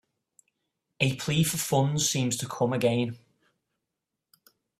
A plea for funds seems to come again.